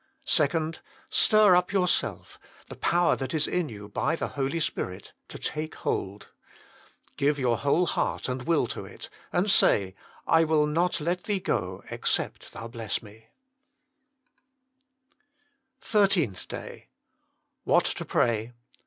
Second, stir up yourself, the power .that is in you by the Holy Spirit, to take hold. Give your whole heart and will to it, and say, I will not let Thee go except Thou bless me. SPECIAL PETITIONS THE MINISTRY OF INTERCESSION THIRTEENTH DAY WHAT TO PRAY.